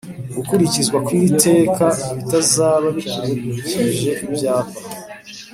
gukurikizwa kw'iri teka bitazaba bikurikije ibyapa